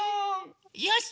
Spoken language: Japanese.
よし！